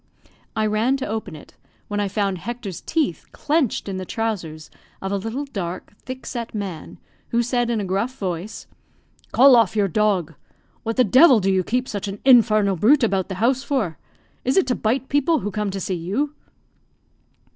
I ran to open it, when I found Hector's teeth clenched in the trousers of a little, dark, thickset man, who said in a gruff voice "Call off your dog. What the devil do you keep such an infernal brute about the house for? Is it to bite people who come to see you?"